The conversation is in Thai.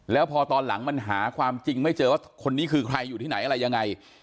แล้วพอตอนหลังมันหาความจริงไม่เจอว่าคนนี้คือใครอยู่ที่ไหนอะไรยังไง